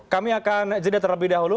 kami akan jeda terlebih dahulu